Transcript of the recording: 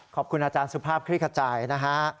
ขอบคุณอาจารย์สุภาพคลิกขจายนะฮะ